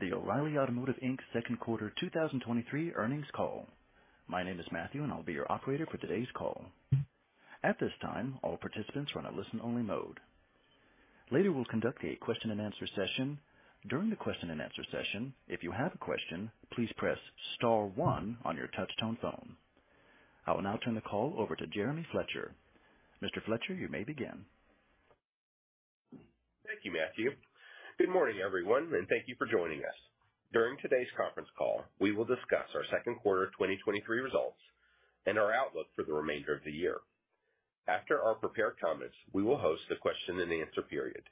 The O'Reilly Automotive, Inc.'s second quarter 2023 earnings call. My name is Matthew, and I'll be your operator for today's call. At this time, all participants are on a listen-only mode. Later, we'll conduct a question-and-answer session. During the question-and-answer session, if you have a question, please press star one on your touchtone phone. I will now turn the call over to Jeremy Fletcher. Mr. Fletcher, you may begin. Thank you, Matthew. Good morning, everyone, and thank you for joining us. During today's conference call, we will discuss our second quarter 2023 results and our outlook for the remainder of the year. After our prepared comments, we will host the question-and-answer period.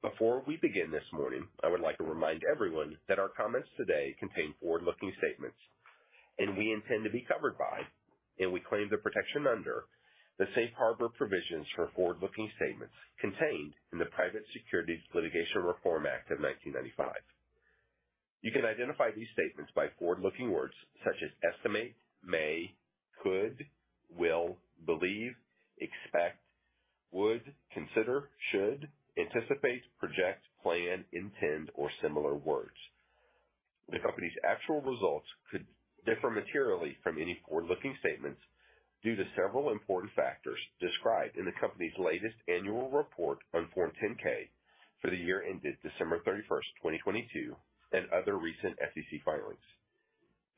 Before we begin this morning, I would like to remind everyone that our comments today contain forward-looking statements, and we intend to be covered by, and we claim the protection under, the safe harbor provisions for forward-looking statements contained in the Private Securities Litigation Reform Act of 1995. You can identify these statements by forward-looking words such as estimate, may, could, will, believe, expect, would, consider, should, anticipate, project, plan, intend, or similar words. The company's actual results could differ materially from any forward-looking statements due to several important factors described in the company's latest annual report on Form 10-K for the year ended December 31st, 2022, and other recent SEC filings.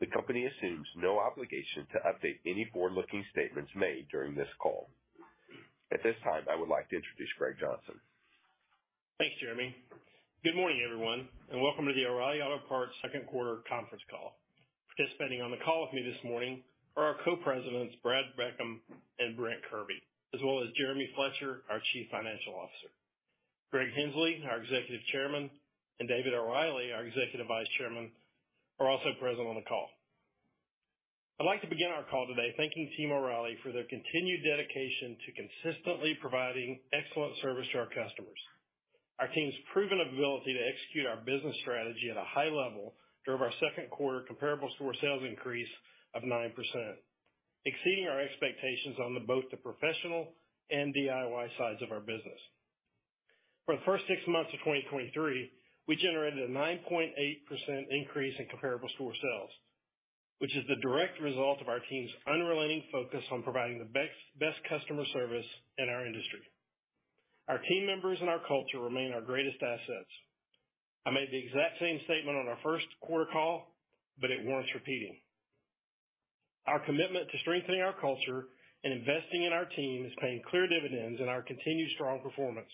The company assumes no obligation to update any forward-looking statements made during this call. At this time, I would like to introduce Greg Johnson. Thanks, Jeremy. Good morning, everyone, and welcome to the O'Reilly Auto Parts second quarter conference call. Participating on the call with me this morning are our co-presidents, Brad Beckham and Brent Kirby, as well as Jeremy Fletcher, our Chief Financial Officer. Greg Henslee, our Executive Chairman, and David O'Reilly, our Executive Vice Chairman, are also present on the call. I'd like to begin our call today thanking Team O'Reilly for their continued dedication to consistently providing excellent service to our customers. Our team's proven ability to execute our business strategy at a high level drove our second quarter comparable store sales increase of 9%, exceeding our expectations on both the professional and DIY sides of our business. For the first six months of 2023, we generated a 9.8% increase in comparable store sales, which is the direct result of our team's unrelenting focus on providing the best customer service in our industry. Our team members and our culture remain our greatest assets. I made the exact same statement on our first quarter call, it warrants repeating. Our commitment to strengthening our culture and investing in our team is paying clear dividends in our continued strong performance,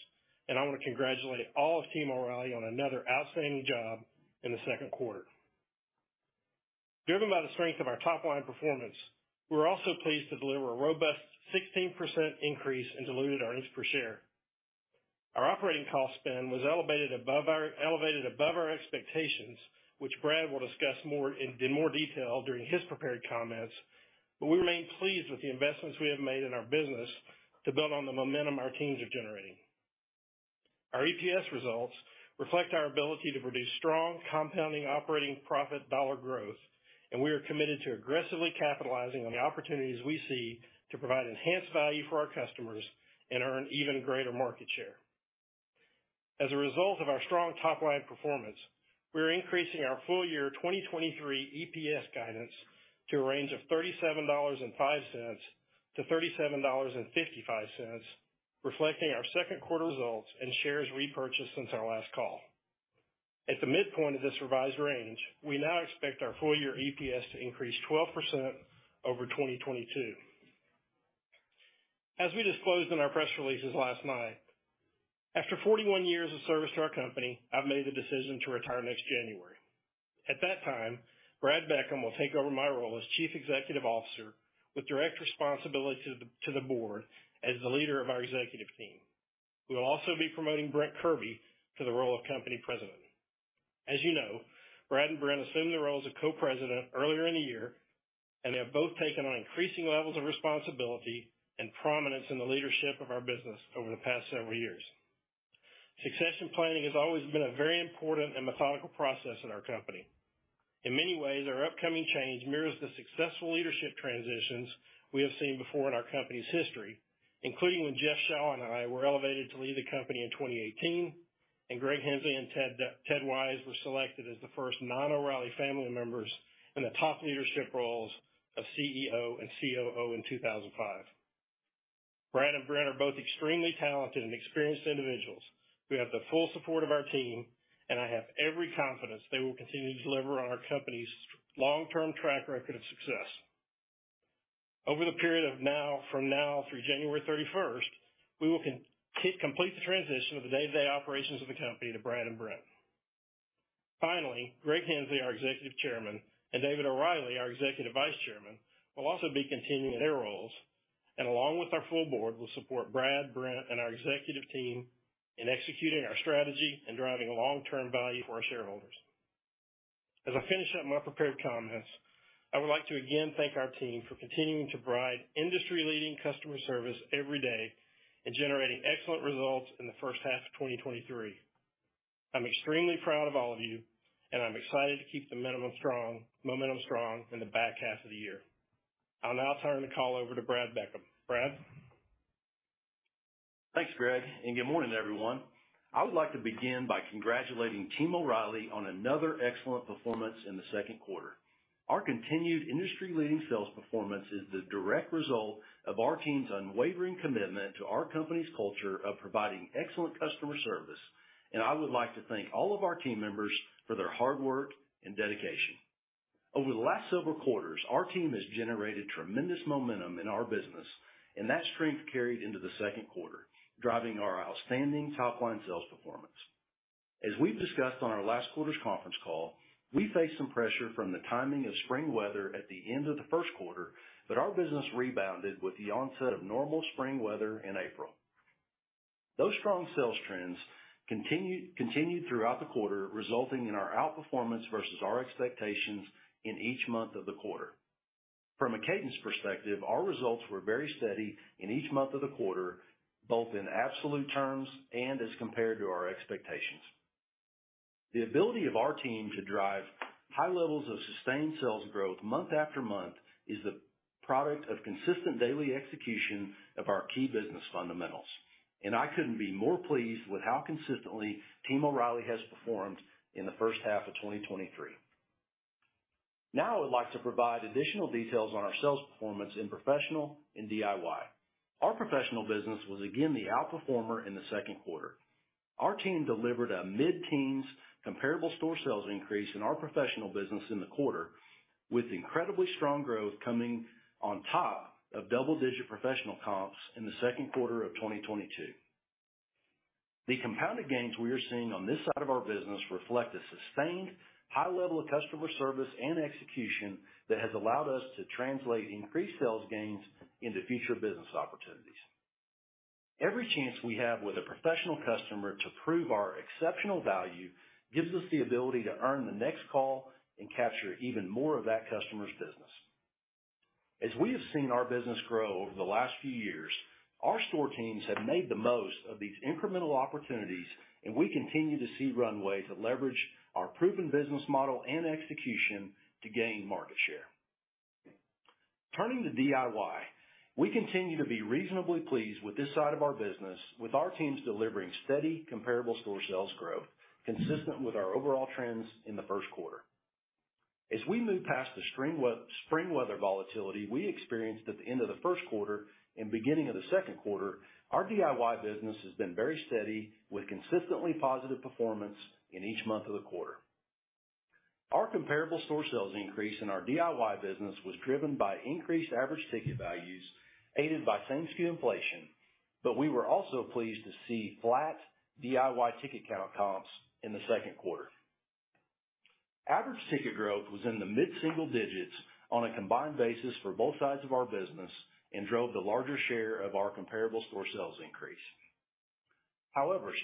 I want to congratulate all of Team O'Reilly on another outstanding job in the second quarter. Driven by the strength of our top-line performance, we're also pleased to deliver a robust 16% increase in diluted earnings per share. Our operating cost spend was elevated above our expectations, which Brad will discuss more in more detail during his prepared comments. We remain pleased with the investments we have made in our business to build on the momentum our teams are generating. Our EPS results reflect our ability to produce strong compounding, operating, profit, dollar growth, and we are committed to aggressively capitalizing on the opportunities we see to provide enhanced value for our customers and earn even greater market share. As a result of our strong top-line performance, we are increasing our full year 2023 EPS guidance to a range of $37.05-$37.55, reflecting our second quarter results and shares repurchased since our last call. At the midpoint of this revised range, we now expect our full year EPS to increase 12% over 2022. As we disclosed in our press releases last night, after 41 years of service to our company, I've made the decision to retire next January. At that time, Brad Beckham will take over my role as Chief Executive Officer with direct responsibility to the board as the leader of our executive team. We will also be promoting Brent Kirby to the role of Company President. As you know, Brad and Brent assumed the role as a Co-President earlier in the year, and they have both taken on increasing levels of responsibility and prominence in the leadership of our business over the past several years. Succession planning has always been a very important and methodical process in our company. In many ways, our upcoming change mirrors the successful leadership transitions we have seen before in our company's history, including when Jeff Shaw and I were elevated to lead the company in 2018, and Greg Henslee and Ted Wise were selected as the first non-O'Reilly family members in the top leadership roles of CEO and COO in 2005. Brad and Brent are both extremely talented and experienced individuals who have the full support of our team, and I have every confidence they will continue to deliver on our company's long-term track record of success. Over the period of now, from now through January 31st, we will complete the transition of the day-to-day operations of the company to Brad and Brent. Finally, Greg Henslee, our Executive Chairman, and David O'Reilly, our Executive Vice Chairman, will also be continuing their roles, and along with our full board, will support Brad, Brent, and our executive team in executing our strategy and driving long-term value for our shareholders. As I finish up my prepared comments, I would like to again thank our team for continuing to provide industry-leading customer service every day and generating excellent results in the first half of 2023. I'm extremely proud of all of you, and I'm excited to keep the momentum strong in the back half of the year. I'll now turn the call over to Brad Beckham. Brad? Thanks, Greg, and good morning, everyone. I would like to begin by congratulating Team O'Reilly on another excellent performance in the second quarter. Our continued industry-leading sales performance is the direct result of our team's unwavering commitment to our company's culture of providing excellent customer service, and I would like to thank all of our team members for their hard work and dedication. Over the last several quarters, our team has generated tremendous momentum in our business, and that strength carried into the second quarter, driving our outstanding top line sales performance. As we've discussed on our last quarter's conference call, we faced some pressure from the timing of spring weather at the end of the first quarter, but our business rebounded with the onset of normal spring weather in April. Those strong sales trends continued throughout the quarter, resulting in our outperformance versus our expectations in each month of the quarter. From a cadence perspective, our results were very steady in each month of the quarter, both in absolute terms and as compared to our expectations. The ability of our team to drive high levels of sustained sales growth month after month is the product of consistent daily execution of our key business fundamentals, and I couldn't be more pleased with how consistently Team O'Reilly has performed in the first half of 2023. Now, I would like to provide additional details on our sales performance in professional and DIY. Our professional business was again the outperformer in the second quarter. Our team delivered a mid-teens comparable store sales increase in our professional business in the quarter, with incredibly strong growth coming on top of double-digit professional comps in the second quarter of 2022. The compounded gains we are seeing on this side of our business reflect a sustained high level of customer service and execution that has allowed us to translate increased sales gains into future business opportunities. Every chance we have with a professional customer to prove our exceptional value, gives us the ability to earn the next call and capture even more of that customer's business. As we have seen our business grow over the last few years, our store teams have made the most of these incremental opportunities, and we continue to see runway to leverage our proven business model and execution to gain market share. Turning to DIY, we continue to be reasonably pleased with this side of our business, with our teams delivering steady comparable store sales growth consistent with our overall trends in the first quarter. As we move past the spring weather volatility we experienced at the end of the first quarter and beginning of the second quarter, our DIY business has been very steady, with consistently positive performance in each month of the quarter. Our comparable store sales increase in our DIY business was driven by increased average ticket values, aided by same-sku inflation, but we were also pleased to see flat DIY ticket count comps in the second quarter. Average ticket growth was in the mid-single digits on a combined basis for both sides of our business and drove the larger share of our comparable store sales increase.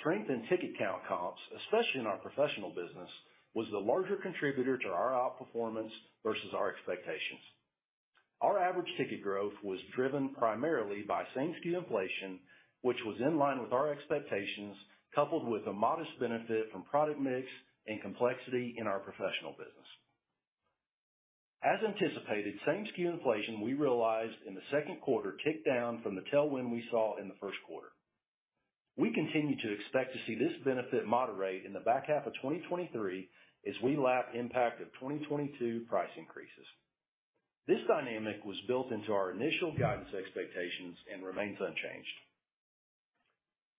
Strength in ticket count comps, especially in our professional business, was the larger contributor to our outperformance versus our expectations. Our average ticket growth was driven primarily by same-SKU inflation, which was in line with our expectations, coupled with a modest benefit from product mix and complexity in our professional business. As anticipated, same-SKU inflation we realized in the second quarter kicked down from the tailwind we saw in the first quarter. We continue to expect to see this benefit moderate in the back half of 2023 as we lap impact of 2022 price increases. This dynamic was built into our initial guidance expectations and remains unchanged.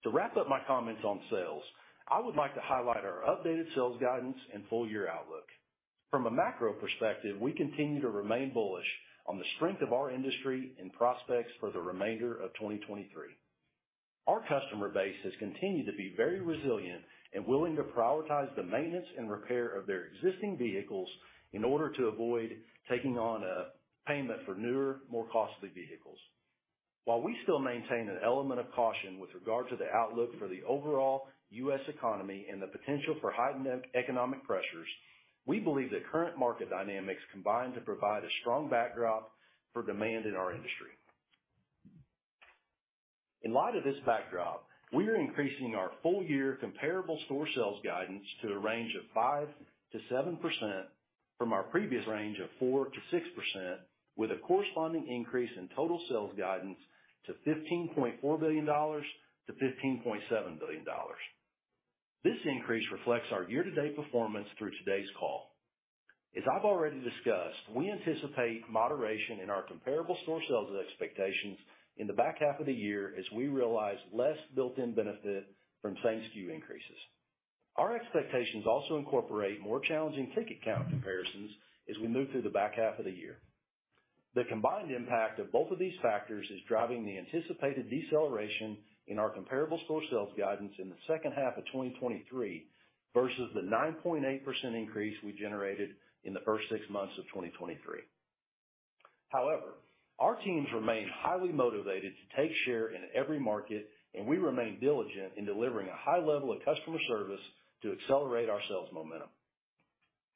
To wrap up my comments on sales, I would like to highlight our updated sales guidance and full year outlook. From a macro perspective, we continue to remain bullish on the strength of our industry and prospects for the remainder of 2023. Our customer base has continued to be very resilient and willing to prioritize the maintenance and repair of their existing vehicles in order to avoid taking on a payment for newer, more costly vehicles. While we still maintain an element of caution with regard to the outlook for the overall U.S. economy and the potential for heightened economic pressures, we believe that current market dynamics combine to provide a strong backdrop for demand in our industry. In light of this backdrop, we are increasing our full year comparable store sales guidance to a range of 5%-7% from our previous range of 4%-6%, with a corresponding increase in total sales guidance to $15.4 billion-$15.7 billion. This increase reflects our year-to-date performance through today's call. As I've already discussed, we anticipate moderation in our comparable store sales expectations in the back half of the year as we realize less built-in benefit from same-SKU increases. Our expectations also incorporate more challenging ticket count comparisons as we move through the back half of the year. The combined impact of both of these factors is driving the anticipated deceleration in our comparable store sales guidance in the second half of 2023, versus the 9.8% increase we generated in the first six months of 2023. However, our teams remain highly motivated to take share in every market, and we remain diligent in delivering a high level of customer service to accelerate our sales momentum.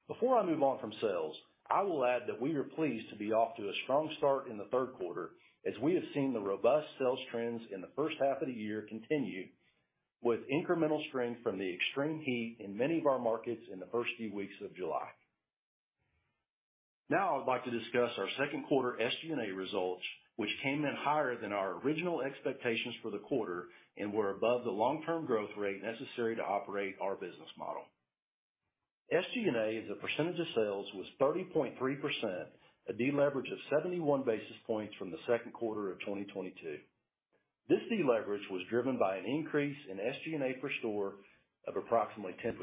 Before I move on from sales, I will add that we are pleased to be off to a strong start in the third quarter, as we have seen the robust sales trends in the first half of the year continue with incremental strength from the extreme heat in many of our markets in the first few weeks of July. Now I'd like to discuss our second quarter SG&A results, which came in higher than our original expectations for the quarter and were above the long-term growth rate necessary to operate our business model. SG&A, as a percentage of sales, was 30.3%, a deleverage of 71 basis points from the second quarter of 2022. This deleverage was driven by an increase in SG&A per store of approximately 10%.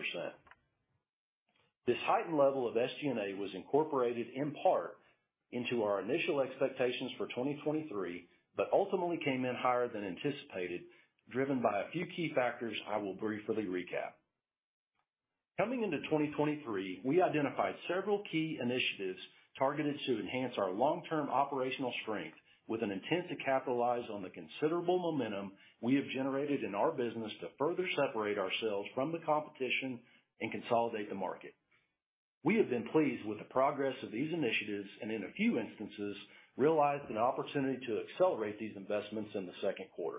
This heightened level of SG&A was incorporated in part into our initial expectations for 2023, but ultimately came in higher than anticipated, driven by a few key factors I will briefly recap. Coming into 2023, we identified several key initiatives targeted to enhance our long-term operational strength with an intent to capitalize on the considerable momentum we have generated in our business to further separate ourselves from the competition and consolidate the market. We have been pleased with the progress of these initiatives and in a few instances, realized an opportunity to accelerate these investments in the second quarter.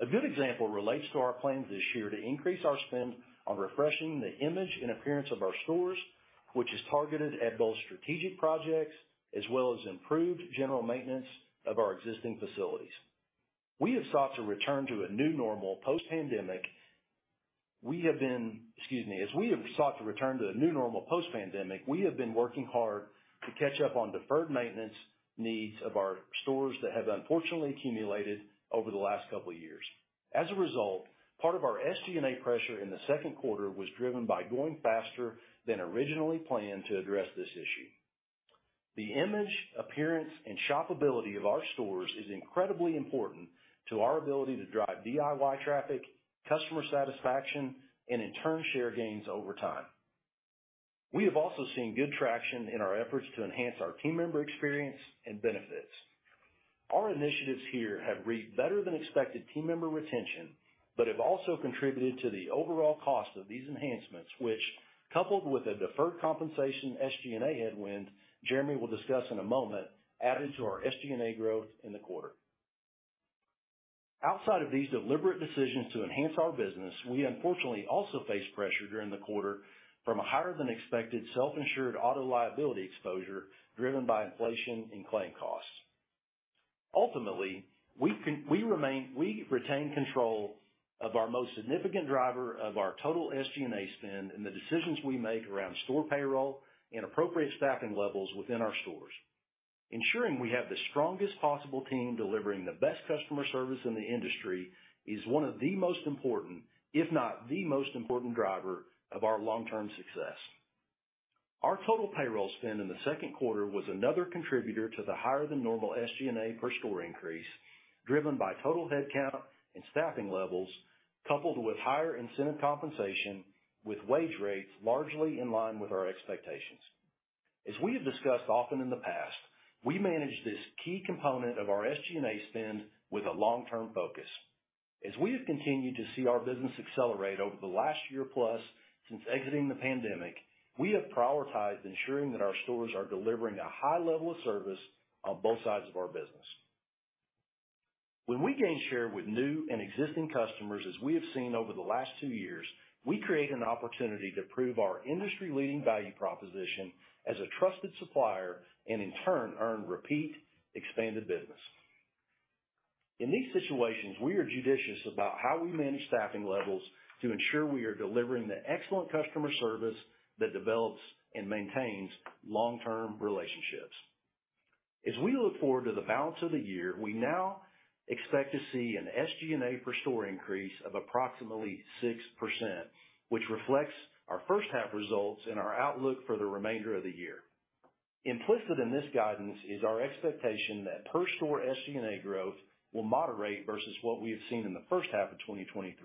A good example relates to our plans this year to increase our spend on refreshing the image and appearance of our stores, which is targeted at both strategic projects as well as improved general maintenance of our existing facilities. We have sought to return to a new normal post-pandemic. Excuse me. As we have sought to return to a new normal post-pandemic, we have been working hard to catch up on deferred maintenance needs of our stores that have unfortunately accumulated over the last couple of years. As a result, part of our SG&A pressure in the second quarter was driven by going faster than originally planned to address this issue. The image, appearance, and shopability of our stores is incredibly important to our ability to drive DIY traffic, customer satisfaction, and in turn, share gains over time. We have also seen good traction in our efforts to enhance our team member experience and benefits. Our initiatives here have reaped better-than-expected team member retention, but have also contributed to the overall cost of these enhancements, which, coupled with a deferred compensation SG&A headwind Jeremy will discuss in a moment, added to our SG&A growth in the quarter. Outside of these deliberate decisions to enhance our business, we unfortunately also faced pressure during the quarter from a higher-than-expected self-insured auto liability exposure driven by inflation and claim costs. Ultimately, we retain control of our most significant driver of our total SG&A spend and the decisions we make around store payroll and appropriate staffing levels within our stores. Ensuring we have the strongest possible team delivering the best customer service in the industry is one of the most important, if not the most important driver of our long-term success. Our total payroll spend in the second quarter was another contributor to the higher-than-normal SG&A per store increase, driven by total headcount and staffing levels, coupled with higher incentive compensation, with wage rates largely in line with our expectations. As we have discussed often in the past, we manage this key component of our SG&A spend with a long-term focus. As we have continued to see our business accelerate over the last year, plus, since exiting the pandemic, we have prioritized ensuring that our stores are delivering a high level of service on both sides of our business. When we gain share with new and existing customers, as we have seen over the last two years, we create an opportunity to prove our industry-leading value proposition as a trusted supplier, and in turn, earn repeat expanded business. In these situations, we are judicious about how we manage staffing levels to ensure we are delivering the excellent customer service that develops and maintains long-term relationships. As we look forward to the balance of the year, we now expect to see an SG&A per store increase of approximately 6%, which reflects our first half results and our outlook for the remainder of the year. Implicit in this guidance is our expectation that per store SG&A growth will moderate versus what we have seen in the first half of 2023,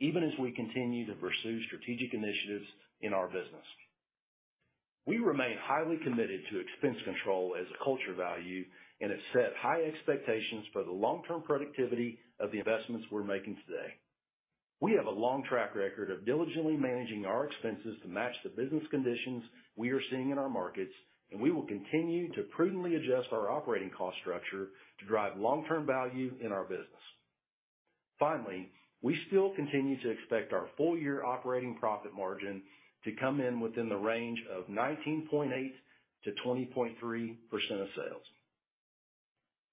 even as we continue to pursue strategic initiatives in our business. We remain highly committed to expense control as a culture value and have set high expectations for the long-term productivity of the investments we're making today. We have a long track record of diligently managing our expenses to match the business conditions we are seeing in our markets, and we will continue to prudently adjust our operating cost structure to drive long-term value in our business. Finally, we still continue to expect our full year operating profit margin to come in within the range of 19.8%-20.3% of sales.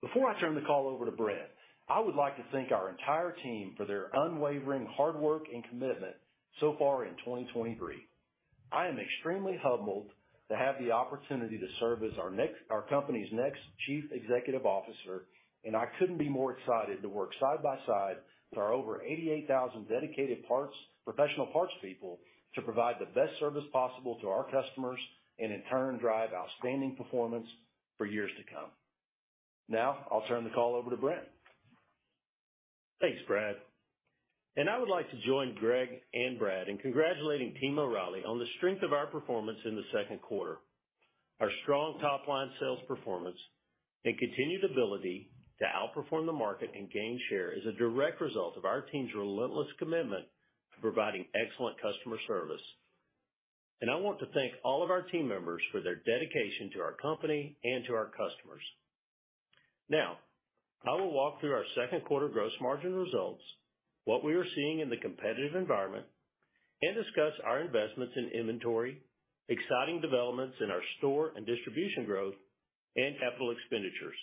Before I turn the call over to Brent, I would like to thank our entire team for their unwavering hard work and commitment so far in 2023. I am extremely humbled to have the opportunity to serve as our company's next Chief Executive Officer, and I couldn't be more excited to work side by side with our over 88,000 dedicated professional parts people, to provide the best service possible to our customers and in turn, drive outstanding performance for years to come. I'll turn the call over to Brent. Thanks, Brad. I would like to join Greg and Brad in congratulating Team O'Reilly on the strength of our performance in the second quarter. Our strong top-line sales performance and continued ability to outperform the market and gain share is a direct result of our team's relentless commitment to providing excellent customer service. I want to thank all of our team members for their dedication to our company and to our customers. Now, I will walk through our second quarter gross margin results, what we are seeing in the competitive environment, and discuss our investments in inventory, exciting developments in our store and distribution growth, and capital expenditures.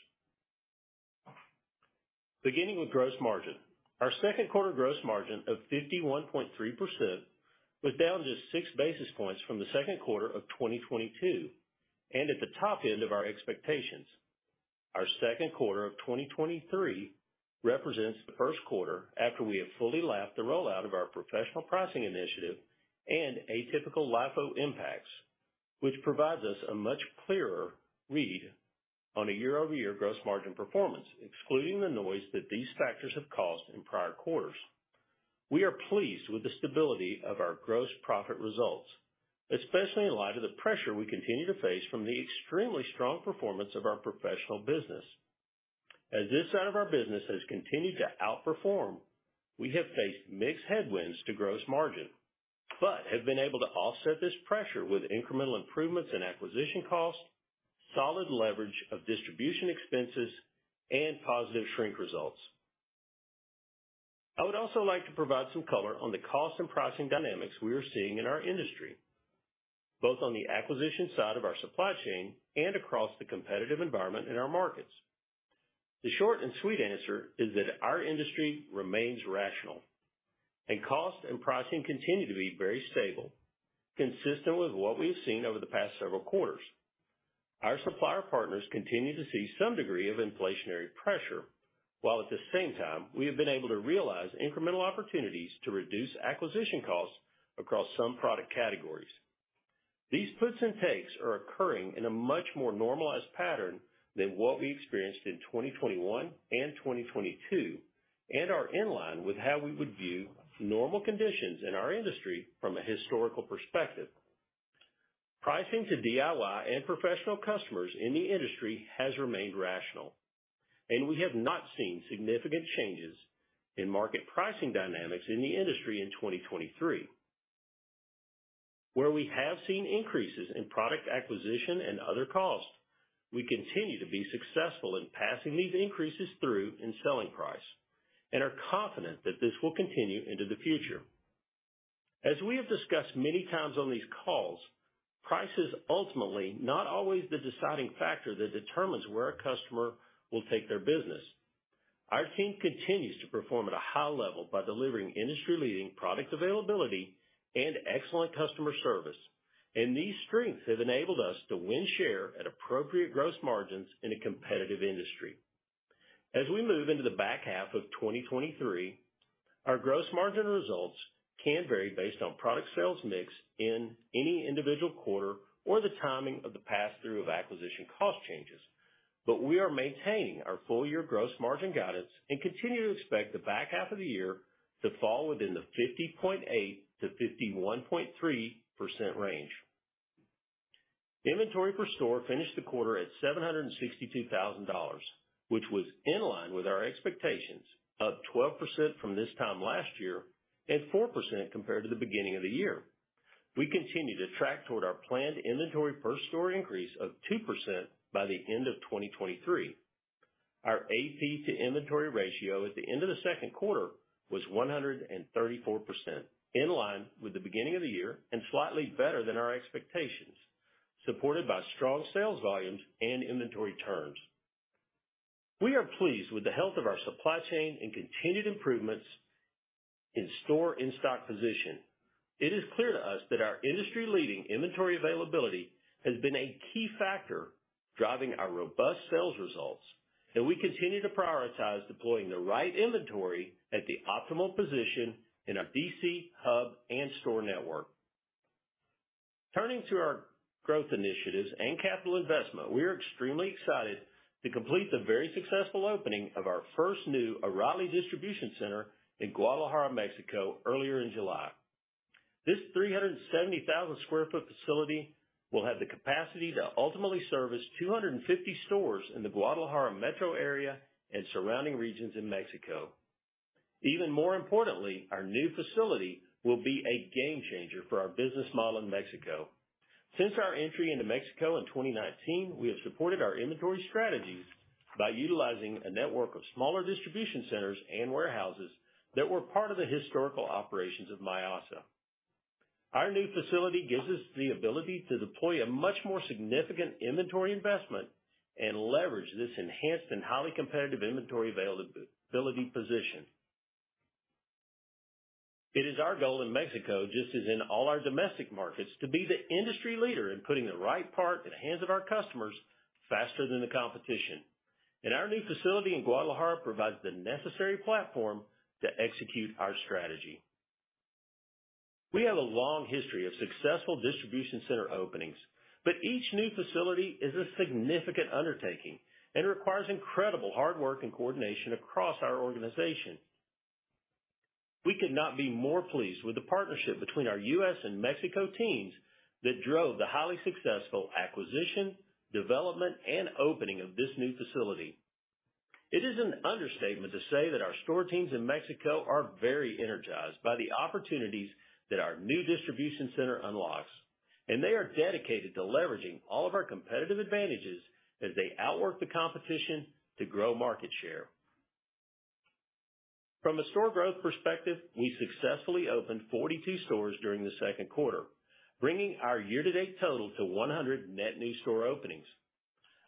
Beginning with gross margin. Our second quarter gross margin of 51.3% was down just 6 basis points from the second quarter of 2022, and at the top end of our expectations. Our second quarter of 2023 represents the first quarter after we have fully lapped the rollout of our professional pricing initiative and atypical LIFO impacts, which provides us a much clearer read on a year-over-year gross margin performance, excluding the noise that these factors have caused in prior quarters. We are pleased with the stability of our gross profit results, especially in light of the pressure we continue to face from the extremely strong performance of our professional business. As this side of our business has continued to outperform, we have faced mixed headwinds to gross margin, but have been able to offset this pressure with incremental improvements in acquisition costs, solid leverage of distribution expenses, and positive shrink results. I would also like to provide some color on the cost and pricing dynamics we are seeing in our industry, both on the acquisition side of our supply chain and across the competitive environment in our markets. The short and sweet answer is that our industry remains rational, and cost and pricing continue to be very stable, consistent with what we've seen over the past several quarters. Our supplier partners continue to see some degree of inflationary pressure, while at the same time, we have been able to realize incremental opportunities to reduce acquisition costs across some product categories. These puts and takes are occurring in a much more normalized pattern than what we experienced in 2021 and 2022, and are in line with how we would view normal conditions in our industry from a historical perspective. Pricing to DIY and professional customers in the industry has remained rational. We have not seen significant changes in market pricing dynamics in the industry in 2023. Where we have seen increases in product acquisition and other costs, we continue to be successful in passing these increases through in selling price and are confident that this will continue into the future. As we have discussed many times on these calls, price is ultimately not always the deciding factor that determines where a customer will take their business. Our team continues to perform at a high level by delivering industry-leading product availability and excellent customer service. These strengths have enabled us to win share at appropriate gross margins in a competitive industry. As we move into the back half of 2023, our gross margin results can vary based on product sales mix in any individual quarter or the timing of the pass-through of acquisition cost changes. We are maintaining our full-year gross margin guidance and continue to expect the back half of the year to fall within the 50.8%-51.3% range. Inventory per store finished the quarter at $762,000, which was in line with our expectations, up 12% from this time last year and 4% compared to the beginning of the year. We continue to track toward our planned inventory per store increase of 2% by the end of 2023. Our AP to inventory ratio at the end of the second quarter was 134%, in line with the beginning of the year and slightly better than our expectations, supported by strong sales volumes and inventory turns. We are pleased with the health of our supply chain and continued improvements in store in-stock position. It is clear to us that our industry-leading inventory availability has been a key factor driving our robust sales results, and we continue to prioritize deploying the right inventory at the optimal position in our DC, hub, and store network. Turning to our growth initiatives and capital investment, we are extremely excited to complete the very successful opening of our first new O'Reilly Distribution Center in Guadalajara, Mexico, earlier in July. This 370,000 sq ft facility will have the capacity to ultimately service 250 stores in the Guadalajara metro area and surrounding regions in Mexico. Even more importantly, our new facility will be a game changer for our business model in Mexico. Since our entry into Mexico in 2019, we have supported our inventory strategies by utilizing a network of smaller distribution centers and warehouses that were part of the historical operations of Mayasa. Our new facility gives us the ability to deploy a much more significant inventory investment and leverage this enhanced and highly competitive inventory availability position. It is our goal in Mexico, just as in all our domestic markets, to be the industry leader in putting the right part in the hands of our customers faster than the competition. Our new facility in Guadalajara provides the necessary platform to execute our strategy. We have a long history of successful distribution center openings, but each new facility is a significant undertaking and requires incredible hard work and coordination across our organization. We could not be more pleased with the partnership between our U.S. and Mexico teams that drove the highly successful acquisition, development, and opening of this new facility. It is an understatement to say that our store teams in Mexico are very energized by the opportunities that our new distribution center unlocks, and they are dedicated to leveraging all of our competitive advantages as they outwork the competition to grow market share. From a store growth perspective, we successfully opened 42 stores during the second quarter, bringing our year-to-date total to 100 net new store openings.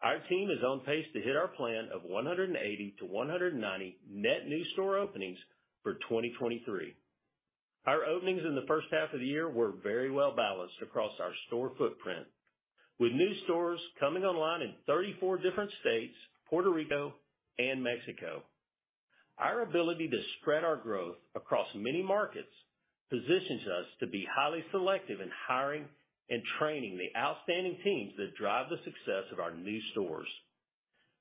Our team is on pace to hit our plan of 180-190 net new store openings for 2023. Our openings in the first half of the year were very well balanced across our store footprint, with new stores coming online in 34 different states, Puerto Rico and Mexico. Our ability to spread our growth across many markets positions us to be highly selective in hiring and training the outstanding teams that drive the success of our new stores.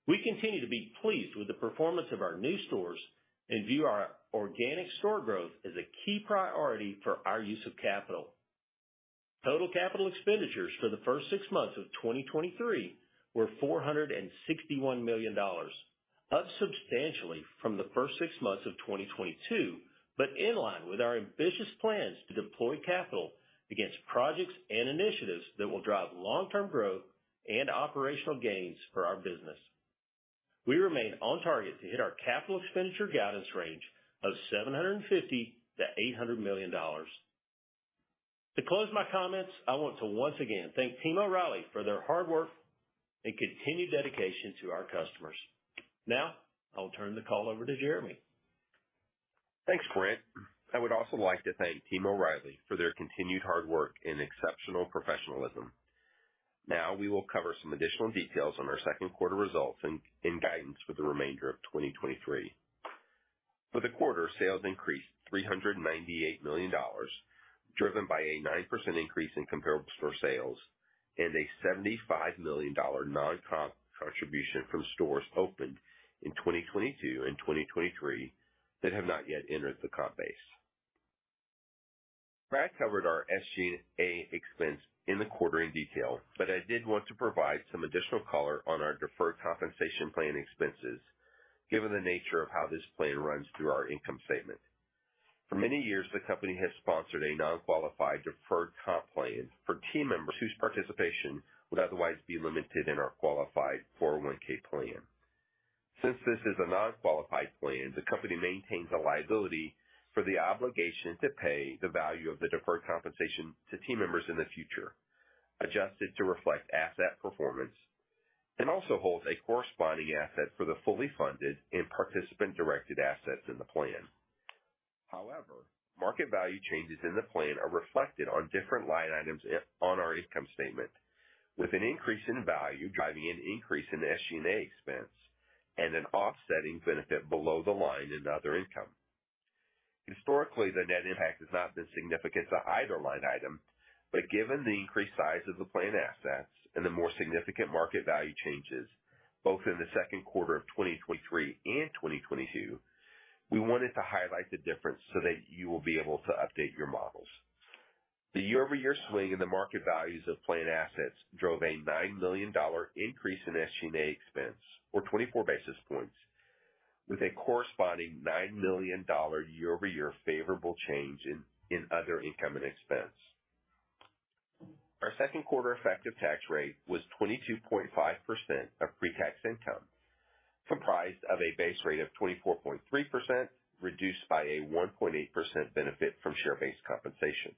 We continue to be pleased with the performance of our new stores and view our organic store growth as a key priority for our use of capital. Total capital expenditures for the first six months of 2023 were $461 million, up substantially from the first six months of 2022, but in line with our ambitious plans to deploy capital against projects and initiatives that will drive long-term growth and operational gains for our business. We remain on target to hit our capital expenditure guidance range of $750 million-$800 million. To close my comments, I want to once again thank Team O'Reilly for their hard work and continued dedication to our customers. Now, I'll turn the call over to Jeremy. Thanks, Brent. I would also like to thank Team O'Reilly for their continued hard work and exceptional professionalism. We will cover some additional details on our second quarter results and guidance for the remainder of 2023. Sales increased $398 million, driven by a 9% increase in comparable store sales and a $75 million non-comp contribution from stores opened in 2022 and 2023 that have not yet entered the comp base. Brad covered our SG&A expense in the quarter in detail, I did want to provide some additional color on our deferred compensation plan expenses, given the nature of how this plan runs through our income statement. Many years, the company has sponsored a non-qualified deferred comp plan for team members whose participation would otherwise be limited in our qualified 401(k) plan. Since this is a non-qualified plan, the company maintains a liability for the obligation to pay the value of the deferred compensation to team members in the future, adjusted to reflect asset performance, and also holds a corresponding asset for the fully funded and participant-directed assets in the plan. Market value changes in the plan are reflected on different line items on our income statement, with an increase in value driving an increase in SG&A expense and an offsetting benefit below the line in other income. Historically, the net impact has not been significant to either line item, but given the increased size of the plan assets and the more significant market value changes both in the second quarter of 2023 and 2022, we wanted to highlight the difference so that you will be able to update your models. The year-over-year swing in the market values of plan assets drove a $9 million increase in SG&A expense, or 24 basis points, with a corresponding $9 million year-over-year favorable change in other income and expense. Our second quarter effective tax rate was 22.5% of pre-tax income, comprised of a base rate of 24.3%, reduced by a 1.8% benefit from share-based compensation.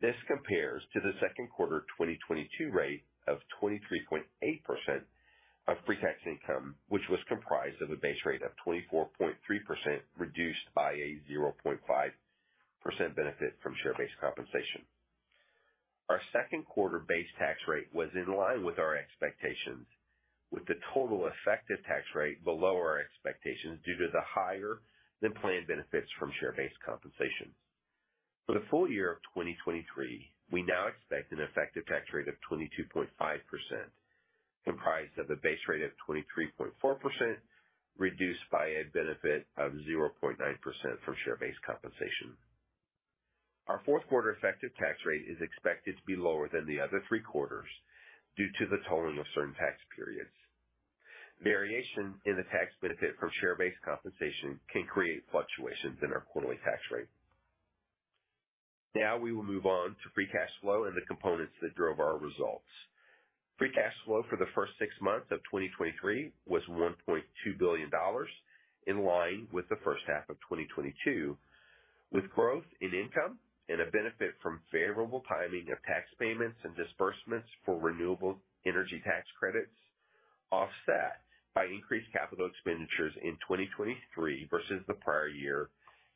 This compares to the second quarter 2022 rate of 23.8% of pre-tax income, which was comprised of a base rate of 24.3%, reduced by a 0.5% benefit from share-based compensation. Our second quarter base tax rate was in line with our expectations, with the total effective tax rate below our expectations due to the higher-than-planned benefits from share-based compensation. For the full year of 2023, we now expect an effective tax rate of 22.5%, comprised of a base rate of 23.4%, reduced by a benefit of 0.9% from share-based compensation. Our fourth quarter effective tax rate is expected to be lower than the other three quarters due to the timing of certain tax periods. Variation in the tax benefit from share-based compensation can create fluctuations in our quarterly tax rate. Now we will move on to free cash flow and the components that drove our results. Free cash flow for the first 6 months of 2023 was $1.2 billion, in line with the first half of 2022, with growth in income and a benefit from favorable timing of tax payments and disbursements for renewable energy tax credits, offset by increased capital expenditures in 2023 versus the prior year,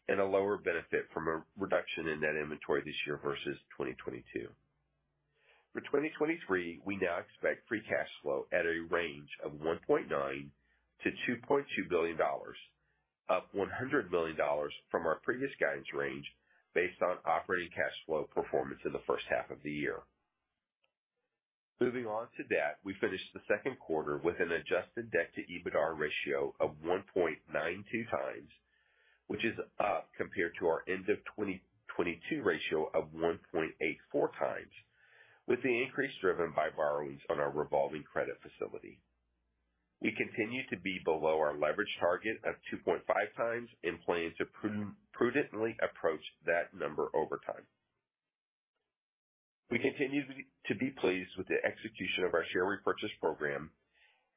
and a lower benefit from a reduction in net inventory this year versus 2022. For 2023, we now expect free cash flow at a range of $1.9 billion-$2.2 billion, up $100 million from our previous guidance range based on operating cash flow performance in the first half of the year. Moving on to debt. We finished the second quarter with an adjusted debt to EBITDA ratio of 1.92 times. which is up compared to our end of 2022 ratio of 1.84 times, with the increase driven by borrowings on our revolving credit facility. We continue to be below our leverage target of 2.5 times and plan to prudently approach that number over time. We continue to be pleased with the execution of our share repurchase program,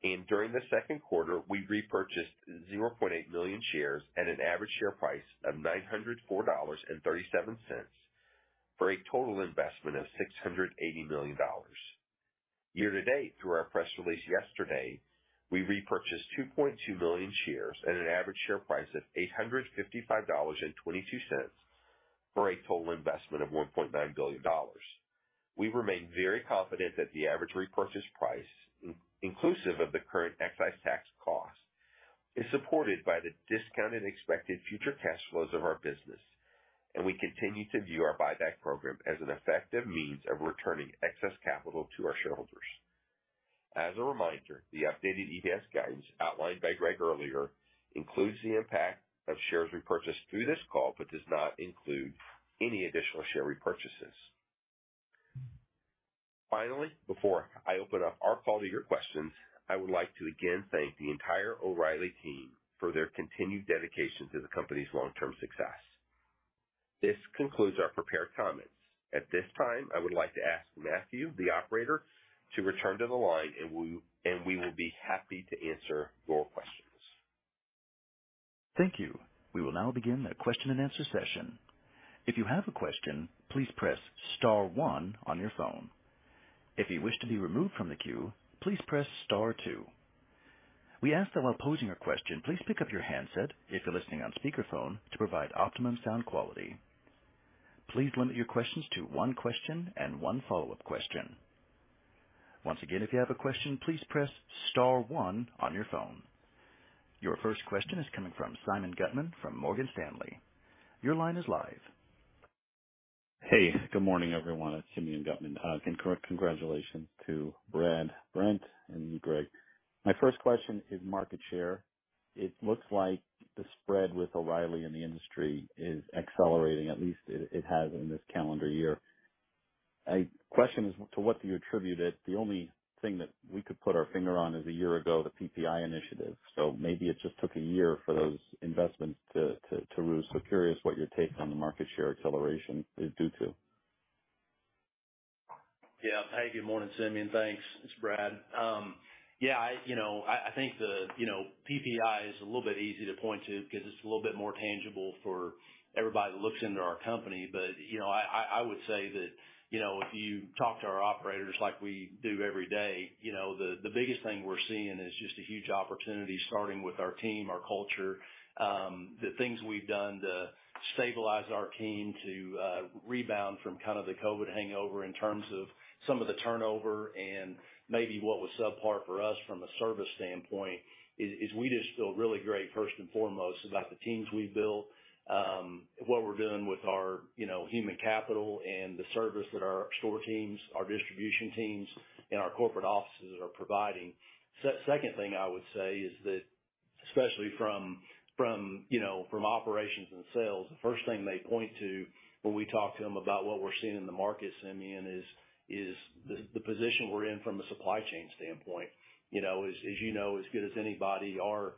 and during the second quarter, we repurchased 0.8 million shares at an average share price of $904.37 for a total investment of $680 million. Year to date, through our press release yesterday, we repurchased 2.2 million shares at an average share price of $855.22 for a total investment of $1.9 billion. We remain very confident that the average repurchase price, inclusive of the current excise tax cost, is supported by the discounted expected future cash flows of our business. We continue to view our buyback program as an effective means of returning excess capital to our shareholders. As a reminder, the updated EPS guidance outlined by Greg earlier includes the impact of shares repurchased through this call, but does not include any additional share repurchases. Finally, before I open up our call to your questions, I would like to again thank the entire Team O'Reilly for their continued dedication to the company's long-term success. This concludes our prepared comments. At this time, I would like to ask Matthew, the operator, to return to the line, and we will be happy to answer your questions. Thank you. We will now begin the question-and-answer session. If you have a question, please press star one on your phone. If you wish to be removed from the queue, please press star two. We ask that while posing your question, please pick up your handset if you're listening on speakerphone to provide optimum sound quality. Please limit your questions to 1 question and 1 follow-up question. Once again, if you have a question, please press star one on your phone. Your first question is coming from Simeon Gutman from Morgan Stanley. Your line is live. Hey, good morning, everyone. It's Simeon Gutman. Congratulations to Brad, Brent, and Greg. My first question is market share. It looks like the spread with O'Reilly in the industry is accelerating. At least, it has in this calendar year. My question is, to what do you attribute it? The only thing that we could put our finger on is a year ago, the PPI initiative. Maybe it just took a year for those investments to roost. Curious what your take on the market share acceleration is due to. Yeah. Hey, good morning, Simeon. Thanks. It's Brad. Yeah, I, you know, I think the, you know, PPI is a little bit easy to point to because it's a little bit more tangible for everybody that looks into our company. You know, I would say that, you know, if you talk to our operators like we do every day, you know, the biggest thing we're seeing is just a huge opportunity, starting with our team, our culture, the things we've done to stabilize our team, to rebound from kind of the COVID hangover in terms of some of the turnover and maybe what was subpar for us from a service standpoint, is we just feel really great, first and foremost, about the teams we've built, what we're doing with our, you know, human capital and the service that our store teams, our distribution teams, and our corporate offices are providing. Second thing I would say is that especially from, you know, from operations and sales, the first thing they point to when we talk to them about what we're seeing in the market, Simeon, is the position we're in from a supply chain standpoint. You know, as you know, as good as anybody, our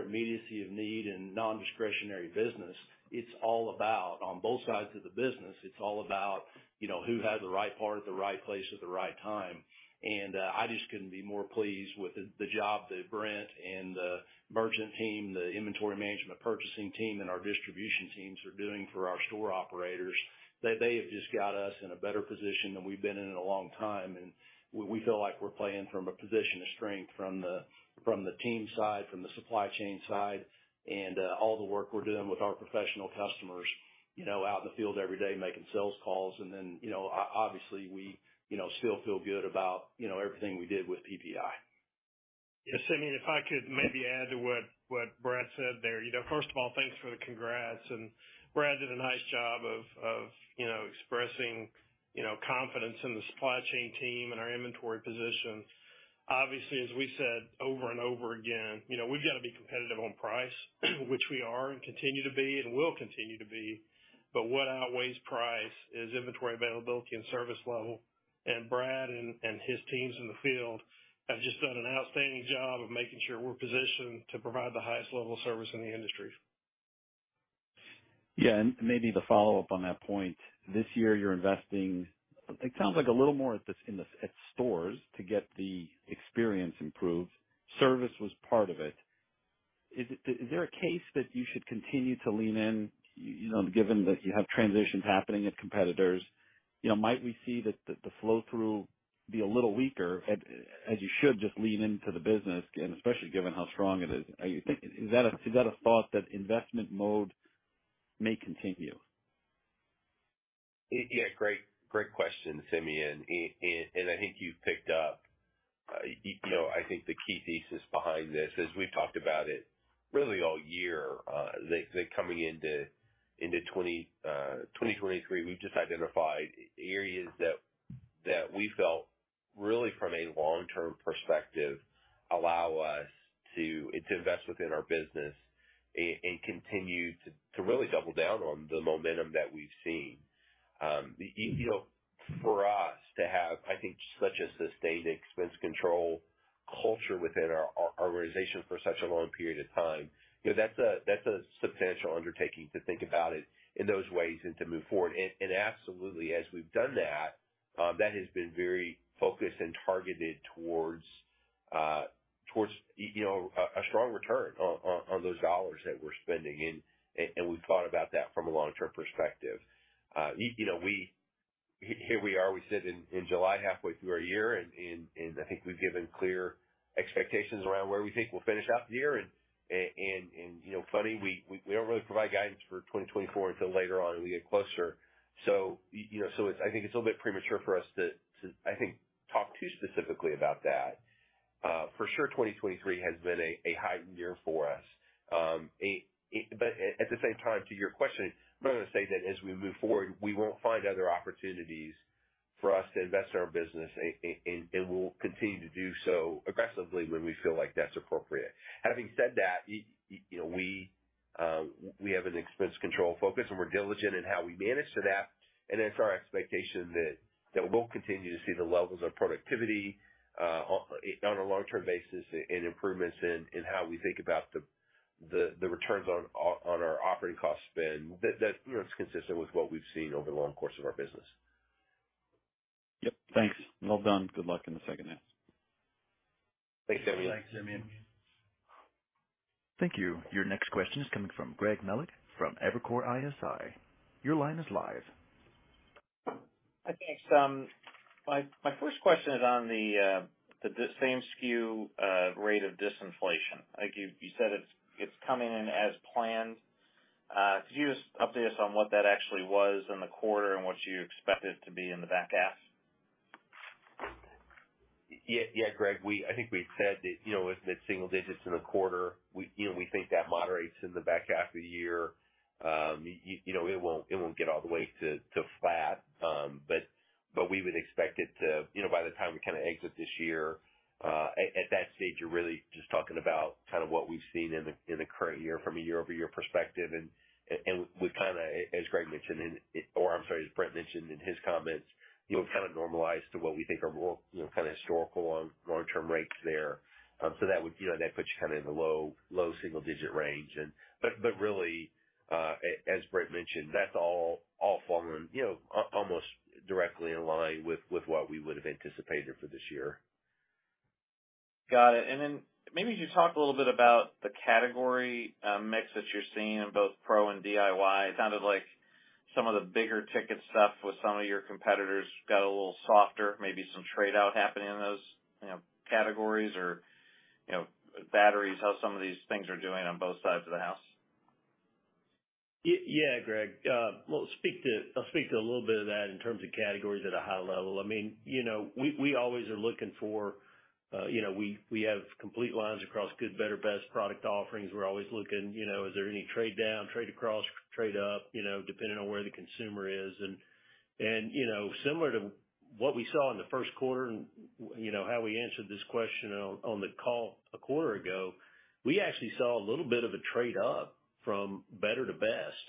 immediacy of need and non-discretionary business, it's all about on both sides of the business, it's all about, you know, who has the right part at the right place at the right time. I just couldn't be more pleased with the job that Brent and the merchant team, the inventory management, purchasing team, and our distribution teams are doing for our store operators. They have just got us in a better position than we've been in a long time, and we, we feel like we're playing from a position of strength from the, from the team side, from the supply chain side, and all the work we're doing with our professional customers, you know, out in the field every day making sales calls. You know, obviously, we, you know, still feel good about, you know, everything we did with PPI. Yes, Simeon, if I could maybe add to what Brad said there. You know, first of all, thanks for the congrats, and Brad did a nice job of, you know, expressing, you know, confidence in the supply chain team and our inventory position. Obviously, as we said over and over again, you know, we've got to be competitive on price, which we are, and continue to be, and will continue to be. What outweighs price is inventory availability and service level. Brad and his teams in the field have just done an outstanding job of making sure we're positioned to provide the highest level of service in the industry. Yeah, maybe the follow-up on that point. This year, you're investing, it sounds like a little more at stores to get the experience improved. Service was part of it. Is there a case that you should continue to lean in, you know, given that you have transitions happening at competitors? You know, might we see that the flow-through be a little weaker as you should just lean into the business, especially given how strong it is? Are you thinking? Is that a thought that investment mode may continue? Yeah, great, great question, Simeon, and, and, and I think you've picked up, you know, I think the key thesis behind this, as we've talked about it really all year, that coming into 2023, we've just identified areas that we felt really from a long-term perspective, allow us to, to invest within our business and continue to, to really double down on the momentum that we've seen. The, you know, for us to have, I think, such a sustained expense control culture within our organization for such a long period of time, you know, that's a, that's a substantial undertaking to think about it in those ways and to move forward. Absolutely, as we've done that, that has been very focused and targeted towards, towards, a strong return on those dollars that we're spending in. We thought about that from a long-term perspective. Here we are, we sit in July, halfway through our year, and I think we've given clear expectations around where we think we'll finish out the year. You know, funny, we don't really provide guidance for 2024 until later on when we get closer. I think it's a little bit premature for us to I think talk too specifically about that. For sure, 2023 has been a heightened year for us. a... At the same time, to your question, I'm not going to say that as we move forward, we won't find other opportunities for us to invest in our business, and we'll continue to do so aggressively when we feel like that's appropriate. Having said that, you know, we, we have an expense control focus, and we're diligent in how we manage to that, and it's our expectation that we'll continue to see the levels of productivity on a long-term basis and improvements in how we think about the returns on our operating cost spend, that, you know, is consistent with what we've seen over the long course of our business. Yep, thanks. Well done. Good luck in the second half. Thanks, Simeon. Thanks, Simeon. Thank you. Your next question is coming from Greg Melich from Evercore ISI. Your line is live. Hi, thanks. My first question is on the same-SKU rate of disinflation. I think you said it's coming in as planned. Could you just update us on what that actually was in the quarter and what you expect it to be in the back half? Yeah. Yeah, Greg, I think we've said that, you know, it's mid-single digits in the quarter. We, you know, we think that moderates in the back half of the year. You know, it won't, it won't get all the way to flat, but we would expect it to, you know, by the time we kind of exit this year, at that stage, you're really just talking about kind of what we've seen in the, in the current year from a year-over-year perspective. We've kinda as Greg mentioned in, or I'm sorry, as Brent mentioned in his comments, you know, kind of normalized to what we think are more, you know, kind of historical long-term rates there. That would, you know, that puts you kind of in the low single-digit range. but really, as Brent mentioned, that's all fallen, you know, almost directly in line with what we would have anticipated for this year. Got it. Maybe just talk a little bit about the category mix that you're seeing in both pro and DIY. It sounded like some of the bigger ticket stuff with some of your competitors got a little softer, maybe some trade-out happening in those, you know, categories or, you know, batteries, how some of these things are doing on both sides of the house? Yeah, Greg, I'll speak to a little bit of that in terms of categories at a high level. I mean, you know, we always are looking for, you know, we have complete lines across good, better, best product offerings. We're always looking, you know, is there any trade down, trade across, trade up, you know, depending on where the consumer is? You know, similar to what we saw in the first quarter and, you know, how we answered this question on the call a quarter ago, we actually saw a little bit of a trade up from better to best.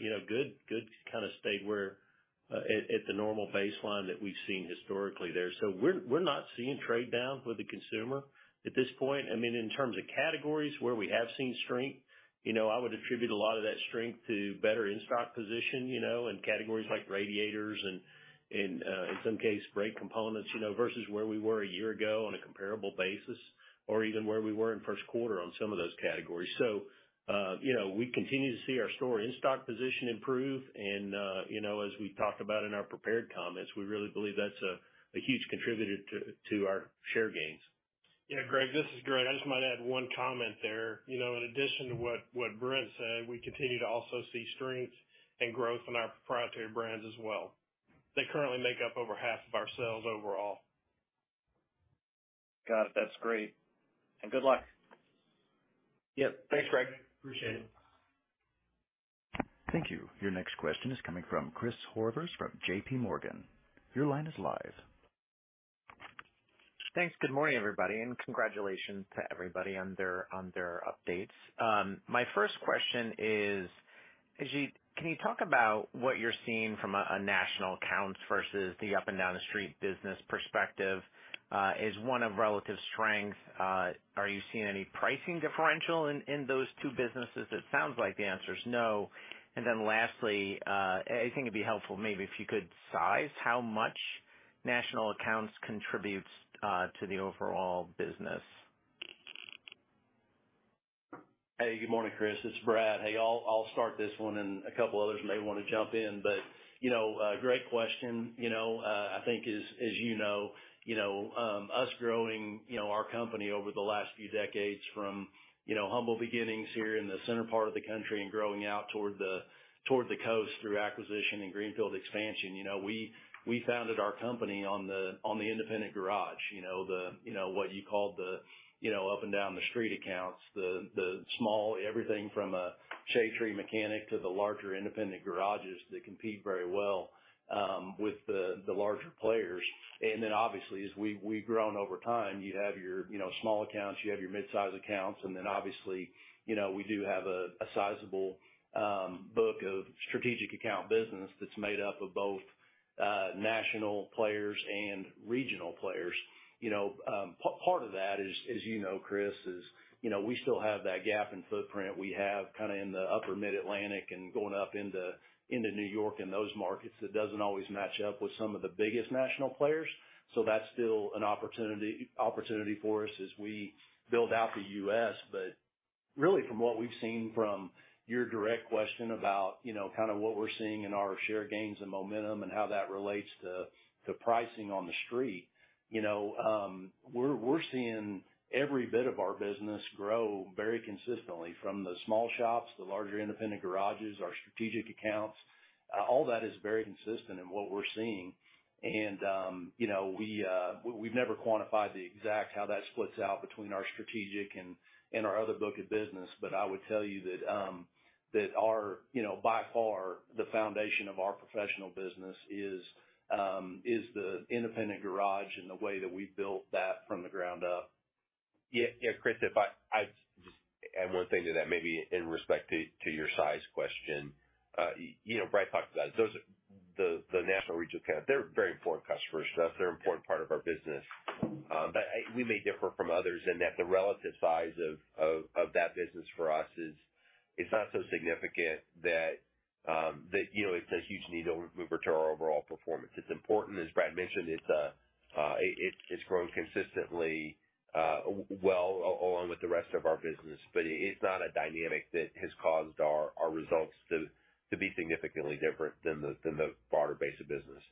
You know, good kind of stayed where at the normal baseline that we've seen historically there. We're not seeing trade down with the consumer at this point. I mean, in terms of categories, where we have seen strength, you know, I would attribute a lot of that strength to better in-stock position, you know, in categories like radiators and, in some case, brake components, you know, versus where we were a year ago on a comparable basis or even where we were in first quarter on some of those categories. You know, we continue to see our store in-stock position improve, and, you know, as we talked about in our prepared comments, we really believe that's a huge contributor to our share gains. Yeah, Greg, this is Greg. I just might add 1 comment there. You know, in addition to what Brent said, we continue to also see strengths and growth in our proprietary brands as well. They currently make up over half of our sales overall. Got it. That's great, and good luck. Yep. Thanks, Greg. Appreciate it. Thank you. Your next question is coming from Chris Horvers from JP Morgan. Your line is live. Thanks. Good morning, everybody, and congratulations to everybody on their, on their updates. My first question is, Kirby, can you talk about what you're seeing from a, a national account versus the up-and-down the street business perspective? Is one of relative strength, are you seeing any pricing differential in, in those two businesses? It sounds like the answer is no. Then lastly, I think it'd be helpful maybe if you could size how much national accounts contributes to the overall business. Hey, good morning, Chris. It's Brad. Hey, I'll start this one and a couple others may want to jump in, but, you know, great question. You know, I think as, as you know, you know, us growing, you know, our company over the last few decades from, you know, humble beginnings here in the center part of the country and growing out toward the coast through acquisition and greenfield expansion, you know, we founded our company on the independent garage. You know, the, you know, what you call the, you know, up-and-down the street accounts, the small, everything from a shade tree mechanic to the larger independent garages that compete very well with the larger players. Obviously, as we've grown over time, you have your, you know, small accounts, you have your mid-size accounts, and then obviously, you know, we do have a sizable book of strategic account business that's made up of both... national players and regional players. You know, part of that is, as you know, Chris, is, you know, we still have that gap in footprint. We have kind of in the upper Mid-Atlantic and going up into, into New York and those markets, that doesn't always match up with some of the biggest national players. That's still an opportunity for us as we build out the U.S. Really, from what we've seen from your direct question about, you know, kind of what we're seeing in our share gains and momentum and how that relates to, to pricing on the street, you know, we're seeing every bit of our business grow very consistently from the small shops, the larger independent garages, our strategic accounts. All that is very consistent in what we're seeing. You know, we've never quantified the exact how that splits out between our strategic and, and our other book of business, but I would tell you that, that our, you know, by far, the foundation of our professional business is, is the independent garage and the way that we built that from the ground up. Yeah, yeah, Chris, if I'd add one thing to that, maybe in respect to your size question. You know, Brad talked about those. The national, regional accounts, they're very important customers to us. They're an important part of our business. But we may differ from others in that the relative size of that business for us is, it's not so significant that, that, you know, it's a huge needle mover to our overall performance. It's important, as Brad mentioned, it's grown consistently, well, along with the rest of our business, but it's not a dynamic that has caused our results to be significantly different than the broader base of business.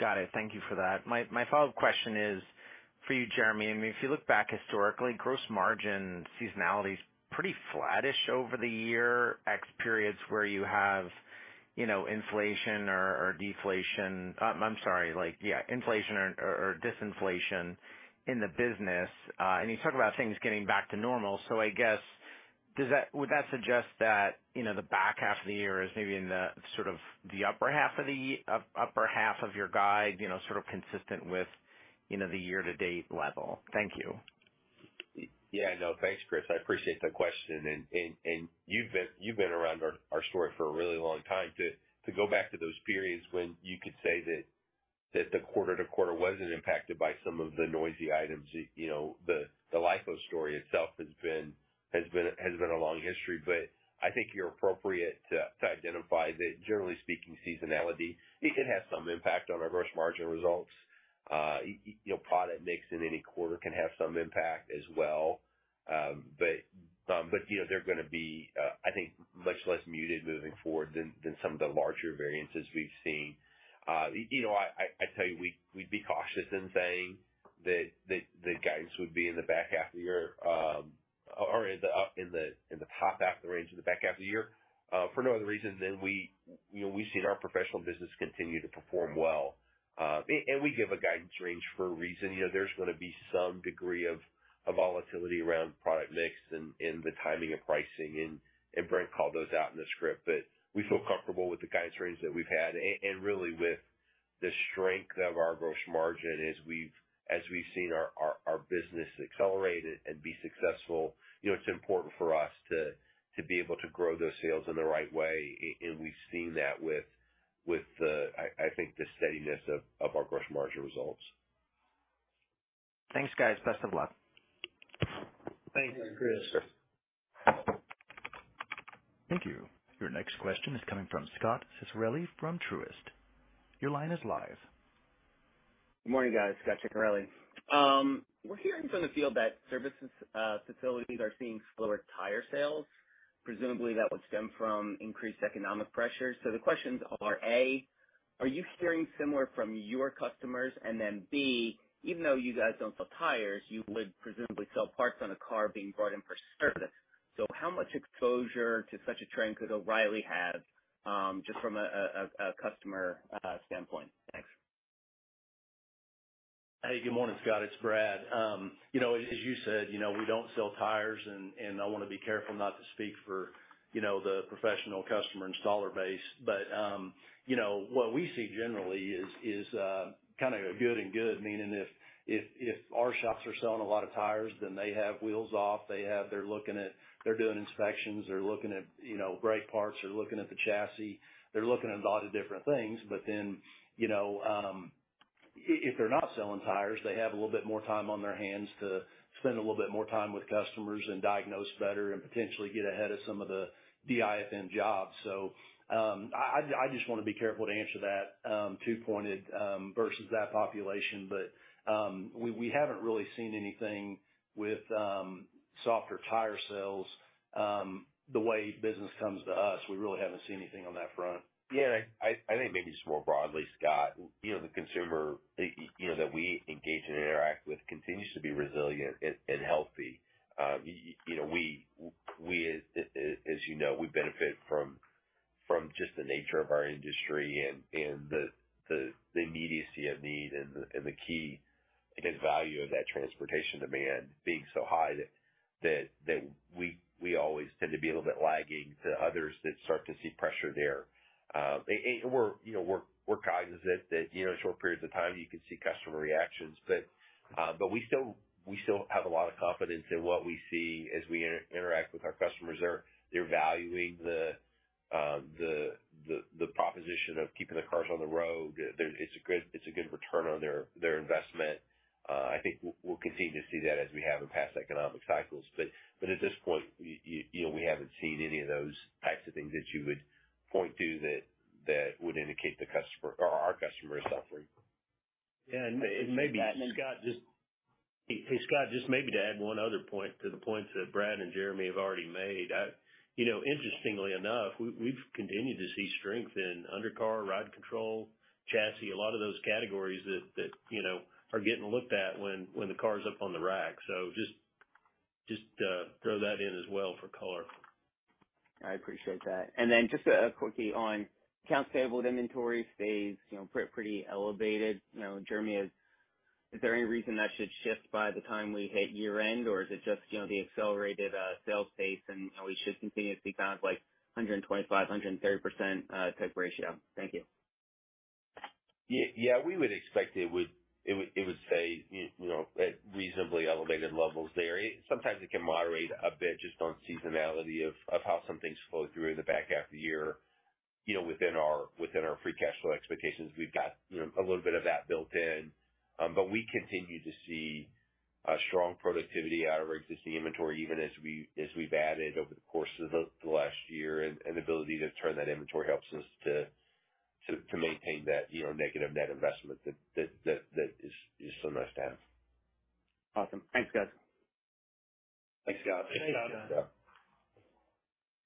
Got it. Thank you for that. My follow-up question is for you, Jeremy. I mean, if you look back historically, gross margin seasonality is pretty flattish over the year X periods where you have, you know, inflation or deflation. I'm sorry, like, yeah, inflation or disinflation in the business. You talk about things getting back to normal. I guess, would that suggest that, you know, the back half of the year is maybe in the sort of the upper half of your guide, you know, sort of consistent with, you know, the year to date level? Thank you. Yeah, no. Thanks, Chris. I appreciate the question, and you've been around our story for a really long time. To go back to those periods when you could say that the quarter to quarter wasn't impacted by some of the noisy items, you know, the LIFO story itself has been a long history, but I think you're appropriate to identify that generally speaking, seasonality, it can have some impact on our gross margin results. You know, product mix in any quarter can have some impact as well. But, you know, they're gonna be, I think, much less muted moving forward than some of the larger variances we've seen. You know, I tell you, we'd be cautious in saying that the guidance would be in the back half of the year, or in the top half of the range in the back half of the year, for no other reason than we, you know, we've seen our professional business continue to perform well. We give a guidance range for a reason. You know, there's going to be some degree of volatility around product mix and the timing of pricing, and Brent called those out in the script. We feel comfortable with the guidance range that we've had and really with the strength of our gross margin as we've seen our business accelerate and be successful. You know, it's important for us to be able to grow those sales in the right way, and we've seen that with the, I think, the steadiness of our gross margin results. Thanks, guys. Best of luck. Thanks, Chris. Thank you. Your next question is coming from Scot Ciccarelli from Truist. Your line is live. Good morning, guys. Scot Ciccarelli. We're hearing from the field that services, facilities are seeing slower tire sales, presumably that would stem from increased economic pressures. The questions are, A, are you hearing similar from your customers? B, even though you guys don't sell tires, you would presumably sell parts on a car being brought in for service. How much exposure to such a trend could O'Reilly have, just from a customer standpoint? Thanks. Good morning, Scot. It's Brad. You know, as you said, you know, we don't sell tires, and I want to be careful not to speak for, you know, the professional customer installer base. You know, what we see generally is, kind of a good and good, meaning if our shops are selling a lot of tires, then they have wheels off, they have. They're looking at, they're doing inspections, they're looking at, you know, brake parts. They're looking at the chassis. They're looking at a lot of different things. Then, you know, if they're not selling tires, they have a little bit more time on their hands to spend a little bit more time with customers and diagnose better and potentially get ahead of some of the DIFM jobs. I just want to be careful to answer that 2-pointed versus that population. We haven't really seen anything with softer tire sales. The way business comes to us, we really haven't seen anything on that front. Yeah, I, I think maybe just more broadly, Scot, you know, the consumer, you know, that we engage and interact with continues to be resilient and healthy. You know, we as you know, we benefit from just the nature of our industry and the immediacy of need and the key and value of that transportation demand being so high that we always tend to be a little bit lagging to others that start to see pressure there. And we're, you know, we're cognizant that, you know, in short periods of time, you can see customer reactions, but we still have a lot of confidence in what we see as we interact with our customers. They're valuing the. The proposition of keeping the cars on the road, it's a good return on their investment. I think we'll continue to see that as we have in past economic cycles. At this point, you know, we haven't seen any of those types of things that you would point to that would indicate the customer or our customer is suffering. Yeah, maybe, Scot, just maybe to add one other point to the points that Brad and Jeremy have already made. You know, interestingly enough, we've continued to see strength in undercar, ride control, chassis, a lot of those categories that, you know, are getting looked at when the car is up on the rack. Just throw that in as well for color. I appreciate that. Then just a quickie on accounts payable and inventory stays, you know, pretty elevated. You know, Jeremy, is there any reason that should shift by the time we hit year-end? Or is it just, you know, the accelerated sales pace, and we should continue to see counts like 125, 130% type ratio? Thank you. Yeah, we would expect it would stay, you know, at reasonably elevated levels there. Sometimes it can moderate a bit just on seasonality of how some things flow through in the back half of the year. You know, within our free cash flow expectations, we've got, you know, a little bit of that built in. We continue to see a strong productivity out of our existing inventory, even as we've added over the course of the last year, and the ability to turn that inventory helps us to maintain that, you know, negative net investment that is so nice to have. Awesome. Thanks, guys. Thanks, Scott. Thanks, Scott.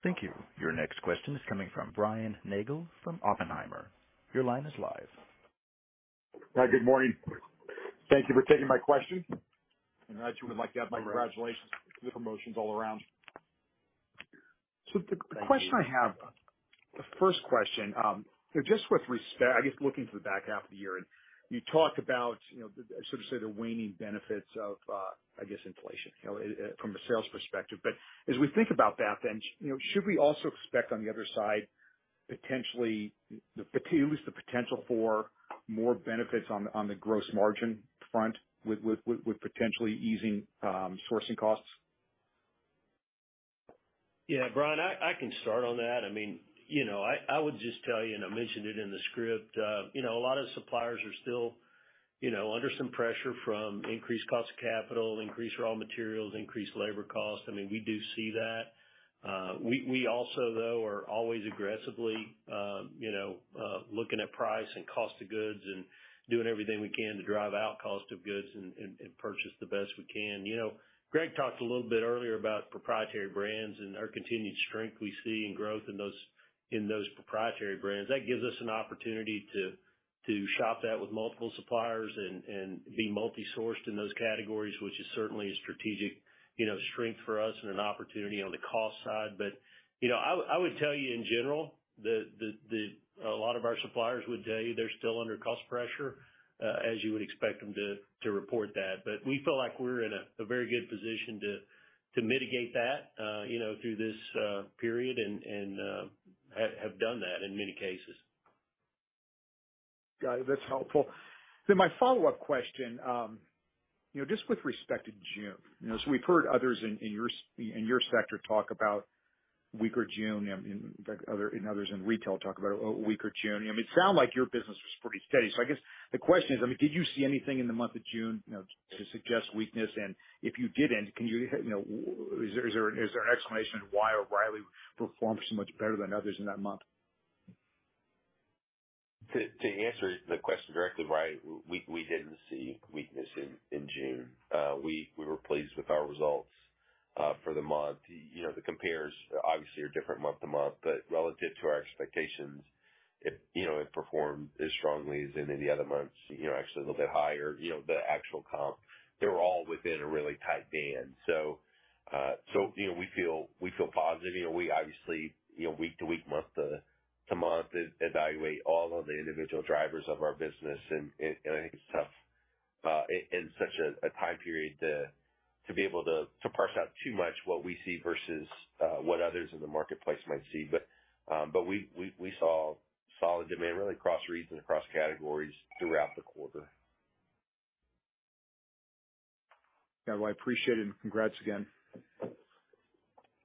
Thank you. Your next question is coming from Brian Nagel from Oppenheimer. Your line is live. Hi, good morning. Thank you for taking my question. I would like to add my congratulations to the promotions all around. Thank you. The question I have, the first question, so just with respect, I guess, looking to the back half of the year, and you talked about, you know, the, sort of say, the waning benefits of, I guess, inflation, you know, from a sales perspective. But as we think about that, then, you know, should we also expect on the other side, potentially, at least the potential for more benefits on the, on the gross margin front with potentially easing, sourcing costs? Yeah, Brian, I can start on that. I mean, you know, I would just tell you, and I mentioned it in the script, you know, a lot of suppliers are still, you know, under some pressure from increased cost of capital, increased raw materials, increased labor costs. I mean, we do see that. We also, though, are always aggressively, you know, looking at price and cost of goods and doing everything we can to drive out cost of goods and purchase the best we can. You know, Greg talked a little bit earlier about proprietary brands and our continued strength we see and growth in those proprietary brands. That gives us an opportunity to shop that with multiple suppliers and be multi-sourced in those categories, which is certainly a strategic, you know, strength for us and an opportunity on the cost side. You know, I would tell you in general, a lot of our suppliers would tell you, they're still under cost pressure, as you would expect them to report that. We feel like we're in a very good position to mitigate that, you know, through this period and have done that in many cases. Got it. That's helpful. My follow-up question, you know, just with respect to June. You know, we've heard others in your sector talk about weaker June, and others in retail talk about a weaker June. I mean, it sound like your business was pretty steady. I guess the question is, I mean, did you see anything in the month of June, you know, to suggest weakness? If you didn't, can you, you know, is there an explanation why O'Reilly performed so much better than others in that month? To answer the question directly, Brian, we didn't see weakness in June. We were pleased with our results for the month. You know, the compares obviously are different month to month, but relative to our expectations, it performed as strongly as any of the other months, you know, actually a little bit higher, you know, the actual comp, they were all within a really tight band. You know, we feel positive. You know, we obviously, you know, week to week, month to month, evaluate all of the individual drivers of our business. I think it's tough in such a time period to be able to parse out too much what we see versus what others in the marketplace might see. We saw solid demand really across regions, across categories throughout the quarter. Well, I appreciate it, and congrats again.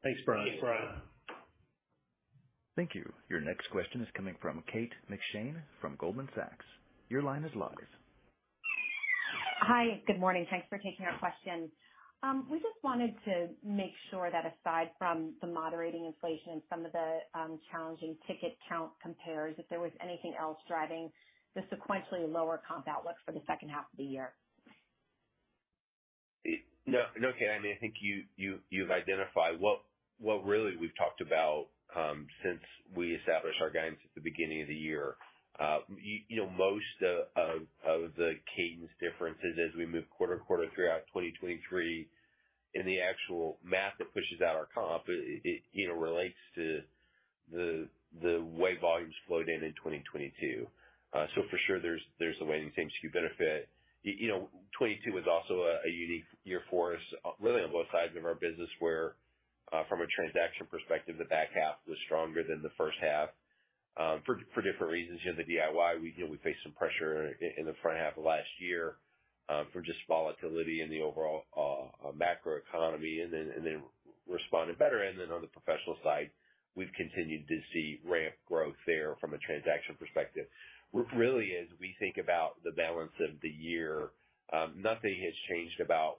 Thanks, Brian. Thanks, Brian. Thank you. Your next question is coming from Kate McShane from Goldman Sachs. Your line is live. Hi, good morning. Thanks for taking our question. We just wanted to make sure that aside from the moderating inflation and some of the challenging ticket count compares, if there was anything else driving the sequentially lower comp outlook for the second half of the year? No, Kate, I mean, I think you, you've identified what really we've talked about since we established our guidance at the beginning of the year. You know, most of the cadence differences as we move quarter to quarter throughout 2023 and the actual math that pushes out our comp, it, you know, relates to the way volumes flowed in 2022. So for sure there's a waning same-store benefit. You know, 2022 was also a unique year for us, really on both sides of our business, where from a transaction perspective, the back half was stronger than the first half. For different reasons. You know, the DIY, we, you know, we faced some pressure in the front half of last year, for just volatility in the overall macro economy, and then responded better. On the professional side, we've continued to see ramp growth there from a transaction perspective. Really, as we think about the balance of the year, nothing has changed about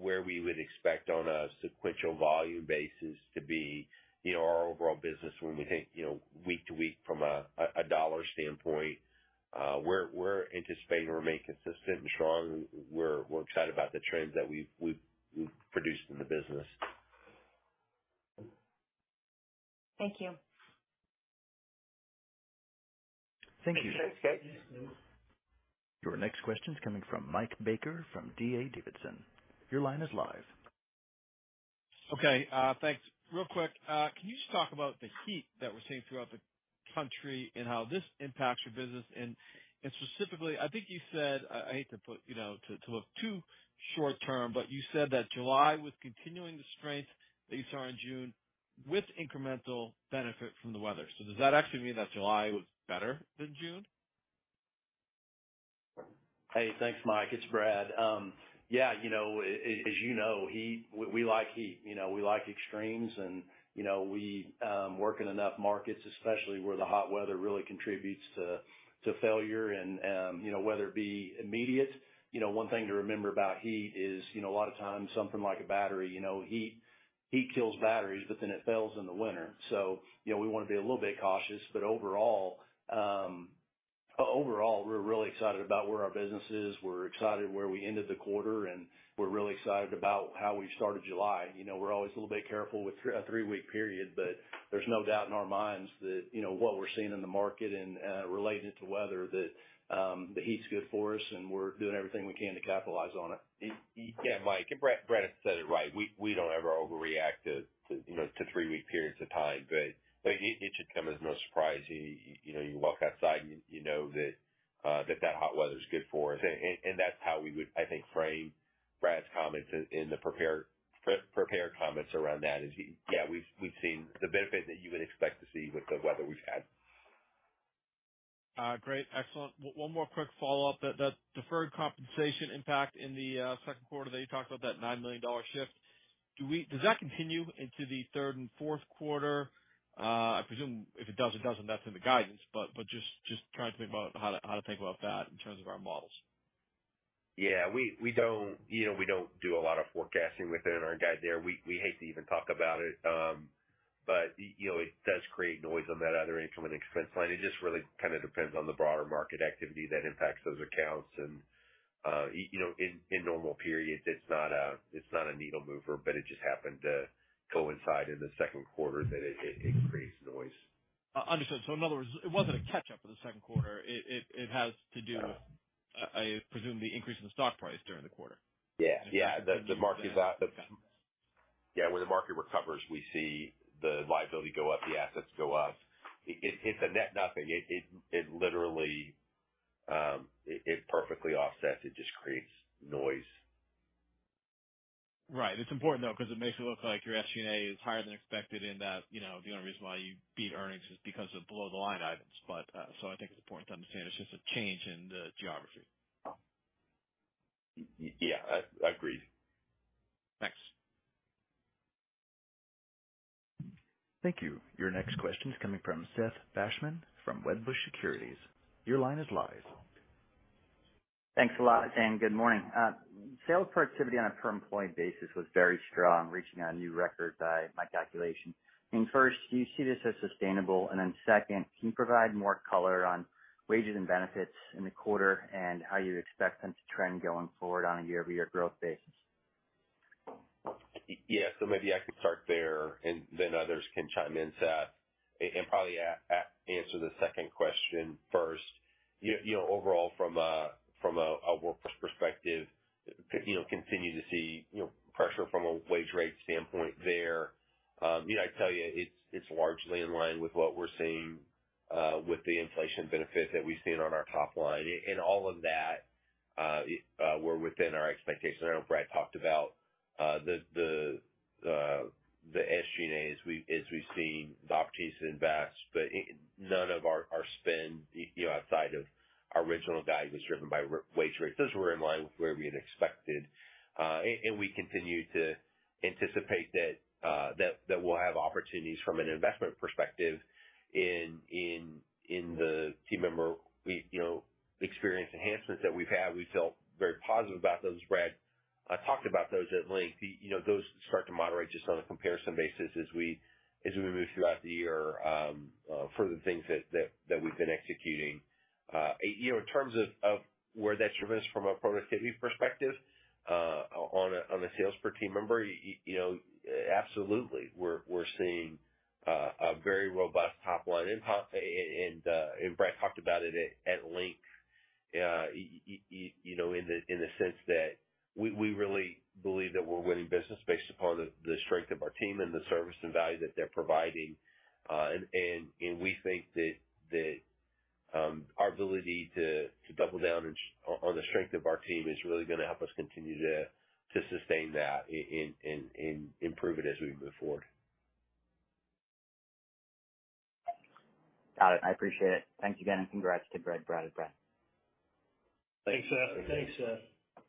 where we would expect on a sequential volume basis to be, you know, our overall business when we think, you know, week to week from a dollar standpoint, we're anticipating to remain consistent and strong. We're excited about the trends that we've produced in the business. Thank you. Thank you. Your next question is coming from Mike Baker from D.A. Davidson. Your line is live. Okay, thanks. Real quick, can you just talk about the heat that we're seeing throughout the country and how this impacts your business? Specifically, I think you said, I hate to put, you know, to look too short term, but you said that July was continuing the strength that you saw in June with incremental benefit from the weather. Does that actually mean that July was better than June? Hey, thanks, Mike. It's Brad. Yeah, you know, as you know, heat, we like heat, you know, we like extremes. You know, we work in enough markets, especially where the hot weather really contributes to failure, you know, whether it be immediate. You know, one thing to remember about heat is, you know, a lot of times something like a battery, you know, heat kills batteries. It fails in the winter. You know, we wanna be a little bit cautious. Overall, we're really excited about where our business is. We're excited where we ended the quarter, we're really excited about how we started July. You know, we're always a little bit careful with a 3-week period, but there's no doubt in our minds that, you know, what we're seeing in the market and relating it to weather, that the heat's good for us, and we're doing everything we can to capitalize on it. Yeah, Mike, and Brad said it right. We don't ever overreact to, you know, to three-week periods of time, but it should come as no surprise. You know, you walk outside, and you know that, that hot weather is good for us. And that's how we would, I think, frame Brad's comments in the prepared comments around that is yeah, we've seen the benefit that you would expect to see with the weather we've had. Great, excellent. One more quick follow-up. That deferred compensation impact in the second quarter that you talked about, that $9 million shift, does that continue into the third and fourth quarter? I presume if it does, it does, and that's in the guidance, but just trying to think about how to think about that in terms of our models. Yeah, we don't, you know, we don't do a lot of forecasting within our guide there. We hate to even talk about it, but you know, it does create noise on that other income and expense line. It just really kind of depends on the broader market activity that impacts those accounts. You know, in normal periods, it's not a needle mover, but it just happened to coincide in the second quarter that it creates noise. understood. In other words, it wasn't a catch-up for the second quarter. It has to do with- No. I presume, the increase in the stock price during the quarter. Yeah. Yeah. The market is up. Yeah, when the market recovers, we see the liability go up, the assets go up. It's a net nothing. It literally, it perfectly offsets. It just creates noise. Right. It's important, though, because it makes it look like your SG&A is higher than expected in that, you know, the only reason why you beat earnings is because of below-the-line items. I think it's important to understand it's just a change in the geography. Yeah, I, agreed. Thanks. Thank you. Your next question is coming from Seth Basham from Wedbush Securities. Your line is live. Thanks a lot, and good morning. Sales productivity on a per employee basis was very strong, reaching a new record by my calculation. First, do you see this as sustainable? Second, can you provide more color on wages and benefits in the quarter and how you expect them to trend going forward on a year-over-year growth basis? Yes, maybe I can start there and then others can chime in, Seth Basham, and probably answer the second question first. You know, overall, from a workforce perspective, you know, continue to see, you know, pressure from a wage rate standpoint there. You know, I'd tell you, it's largely in line with what we're seeing with the inflation benefit that we've seen on our top line. All of that were within our expectations. I know Brad Beckham talked about the SG&A as we've seen opportunities to invest, none of our spend, you know, outside of our original guide was driven by wage rates. Those were in line with where we had expected, and we continue to anticipate that we'll have opportunities from an investment perspective in the team member, we, you know, experience enhancements that we've had. We feel very positive about those. Brad talked about those at length. You know, those start to moderate just on a comparison basis as we move throughout the year, for the things that we've been executing. You know, in terms of where that shows from a productivity perspective, on a sales per team member, you know, absolutely. We're seeing a very robust top line impo... Brad talked about it at length, you know, in the sense that we really believe that we're winning business based upon the strength of our team and the service and value that they're providing. We think that our ability to double down on the strength of our team is really gonna help us continue to sustain that and improve it as we move forward. Got it. I appreciate it. Thank you again, and congrats to Brad. Thanks, Seth.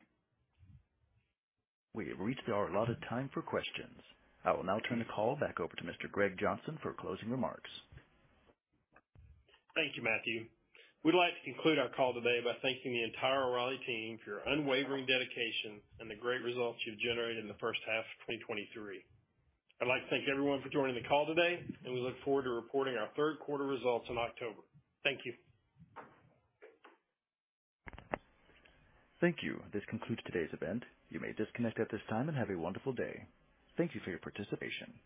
We have reached our allotted time for questions. I will now turn the call back over to Mr. Greg Johnson for closing remarks. Thank you, Matthew. We'd like to conclude our call today by thanking the entire O'Reilly team for your unwavering dedication and the great results you've generated in the first half of 2023. I'd like to thank everyone for joining the call today, and we look forward to reporting our third quarter results in October. Thank you. Thank you. This concludes today's event. You may disconnect at this time and have a wonderful day. Thank you for your participation.